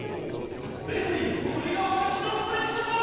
それよりこれがわたしのコレクションだ！